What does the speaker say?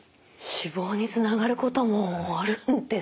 死亡につながることもあるんですね。